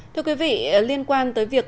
thưa quý vị liên quan tới việc